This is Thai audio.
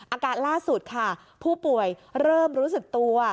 อาการล่าสุดค่ะผู้ป่วยเริ่มรู้สึกตัว